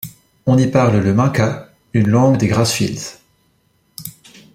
On y parle le menka, une langue des Grassfields.